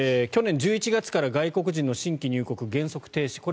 去年１１月から外国人の新規入国、原則停止